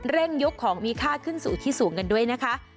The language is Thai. เร่งยกของมีค่าขึ้นสู่ที่สูงกันด้วยนะคะ